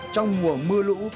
trong mùa mưa lũ